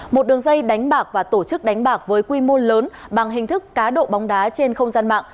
một đường dây đánh bạc và tổ chức đánh bạc với quy mô lớn bằng hình thức cá độ bóng đá trên không gian mạng